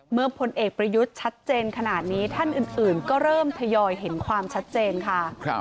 พลเอกประยุทธ์ชัดเจนขนาดนี้ท่านอื่นก็เริ่มทยอยเห็นความชัดเจนค่ะ